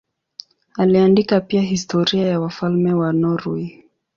Aliandika pia historia ya wafalme wa Norwei.